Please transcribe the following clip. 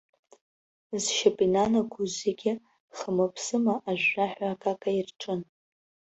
Зшьап инанагоз зегьы хымаԥсыма ажәжәаҳәа акака ирҿын.